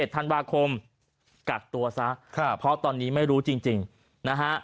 ธันวาคมกักตัวซะเพราะตอนนี้ไม่รู้จริงนะฮะ